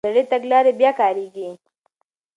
زړې تګلارې بیا کارېږي.